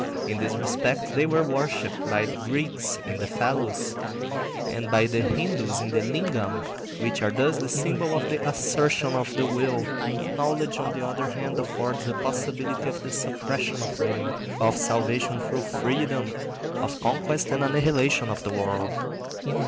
In this respect they were worshipped by the Greeks in the phallus, and by the Hindus in the lingam, which are thus the symbol of the assertion of the will. Knowledge, on the other hand, affords the possibility of the suppression of willing, of salvation through freedom, of conquest and annihilation of the world.